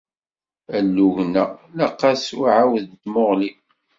Alugen-a ilaq-as uɛawed n tmuɣli.